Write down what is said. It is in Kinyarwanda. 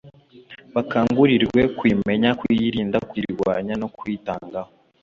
bakangurirwe kuyimenya, kuyirinda, kuyirwanya no kuyitangaho